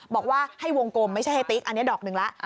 บอกว่าให้วงกลมไม่ใช่ให้ติ๊กอันนี้ดอกหนึ่งแล้ว